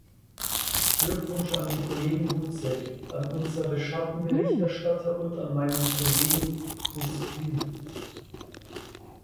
Glückwunsch an den Kollegen Buzek, an unsere Schattenberichterstatter und an meinen Kollegen Busquin.